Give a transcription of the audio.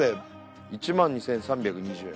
１万２３２０円